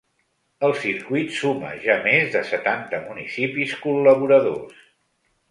El circuit suma ja més de setanta municipis col·laboradors.